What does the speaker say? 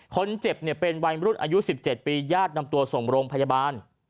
คนเจ็บเนี่ยเป็นวัยรุ่นอายุ๑๗ปีญาตินำตัวส่งโรงพยาบาล